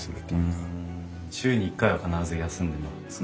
週に１回は必ず休んでるんですか？